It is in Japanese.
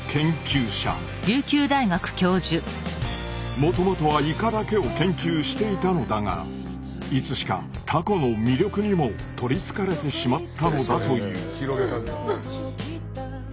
もともとはイカだけを研究していたのだがいつしかタコの魅力にも取りつかれてしまったのだという。